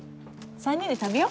３人で食べよ。